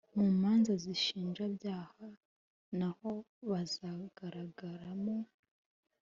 mu manza z’ inshinjabyaha naho bazagaragaramo